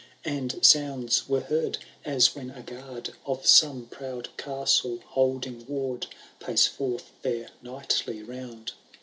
CatOo III* And sounds were heard, as when a g^uard Of some proud castle, holding ward. Pace forth their nightly round.